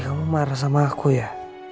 kamu marah sama aku ya